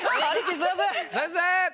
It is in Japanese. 先生！